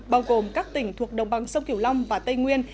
bao gồm các tỉnh thuộc đồng bằng sông kiểu long và tây nguyên